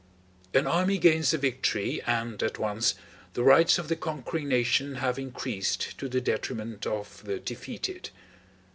An army gains a victory, and at once the rights of the conquering nation have increased to the detriment of the defeated.